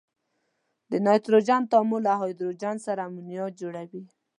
د نایتروجن تعامل له هایدروجن سره امونیا جوړوي.